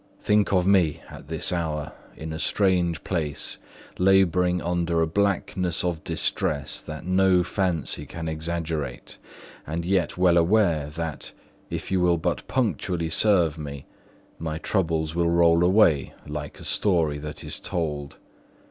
Think of me at this hour, in a strange place, labouring under a blackness of distress that no fancy can exaggerate, and yet well aware that, if you will but punctually serve me, my troubles will roll away like a story that is told.